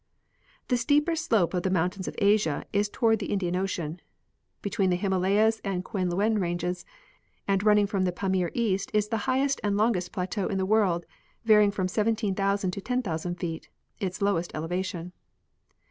The steeper slope of the mountains of Asia is toward the In dian ocean. Between the Himalayas and Kuen Luen ranges and running from the Pamir east is the highest and longest plateau in the world, varying from 17,000 to 10,000 feet, its lowest elevation.